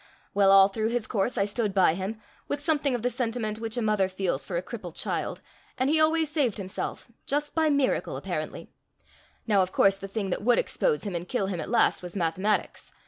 Well, all through his course I stood by him, with something of the sentiment which a mother feels for a crippled child; and he always saved himself&#8212just by miracle, apparently. Now of course the thing that would expose him and kill him at last was mathematics.